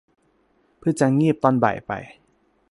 เพิ่งจะงีบตอนบ่ายไป